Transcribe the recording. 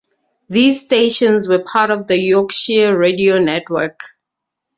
These stations were part of the Yorkshire Radio Network.